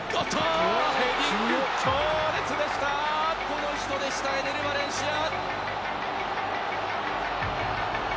この人でしたエネル・バレンシア！